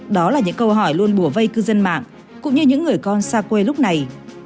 đó là những câu hỏi luôn bùa vây cư dân mạng cũng như những người con xa quê lúc này